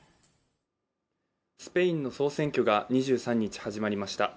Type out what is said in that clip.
スペインの総選挙が２３日、始まりました。